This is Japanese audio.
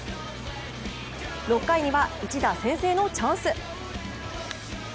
６回には一打先制のチャンス。